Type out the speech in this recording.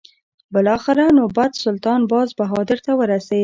بالاخره نوبت سلطان باز بهادر ته ورسېد.